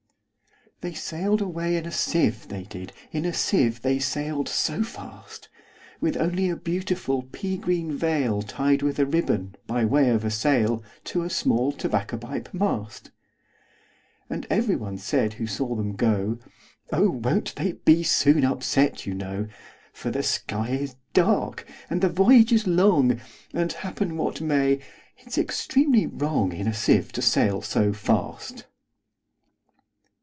They sail'd away in a sieve, they did, In a sieve they sail'd so fast, With only a beautiful pea green veilTied with a ribbon, by way of a sail, To a small tobacco pipe mast. And every one said who saw them go,"Oh! won't they be soon upset, you know:For the sky is dark, and the voyage is long; And, happen what may, it 's extremely wrongIn a sieve to sail so fast."